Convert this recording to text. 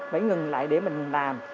phải ngừng lại để mình làm